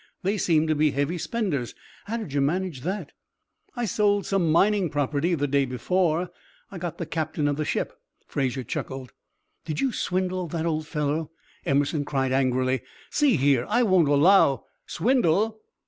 They seem to be heavy spenders. How did you manage that?" "I sold some mining property the day before. I got the captain of the ship." Fraser chuckled. "Did you swindle that old fellow?" Emerson cried, angrily. "See here! I won't allow " "Swindle!